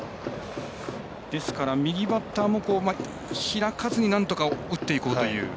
ですから、右バッターも開かずになんとか打っていこうという。